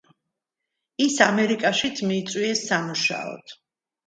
ის ამერიკაშიც მიიწვიეს სამუშაოდ.